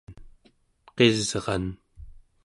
qisran